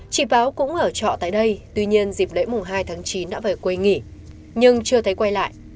chị báo cũng ở trọ tại đây tuy nhiên dịp lễ mùng hai tháng chín đã về quê nghỉ nhưng chưa thấy quay lại